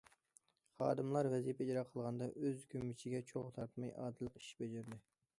خادىملار ۋەزىپە ئىجرا قىلغاندا ئۆز كۆمىچىگە چوغ تارتماي، ئادىللىق ئىش بېجىردى.